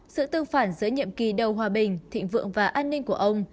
sự tương phản giữa nhiệm kỳ đầu hòa bình thịnh vượng và an ninh của ông